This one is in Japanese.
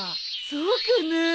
そうかな？